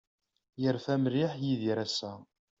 Yerfa mliḥ Yidir ass-a.